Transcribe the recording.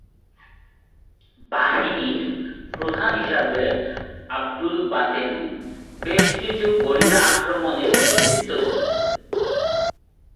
বাহিনীর প্রধান হিসেবে আবদুল বাতেন বেশ কিছু গেরিলা আক্রমনের নেতৃত্ব দেন।